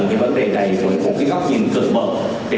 với vấn đề này với một cái góc nhìn cực mật